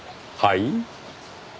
はい？